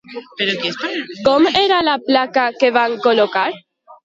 Com era la placa que van col·locar?